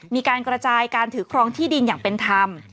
มีการกระจายการถือครองที่ดินอย่างเป็นธรรม